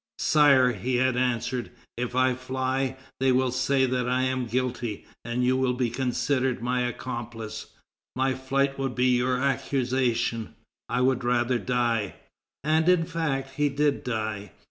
"Sire," he had answered, "if I fly, they will say that I am guilty, and you will be considered my accomplice: my flight would be your accusation; I would rather die." And, in fact, he did die.